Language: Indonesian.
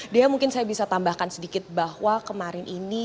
dea mungkin saya bisa tambahkan sedikit bahwa kemarin ini